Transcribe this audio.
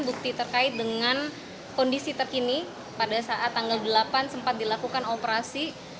bukti terkait dengan kondisi terkini pada saat tanggal delapan sempat dilakukan operasi